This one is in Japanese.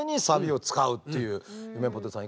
ゆめぽてさん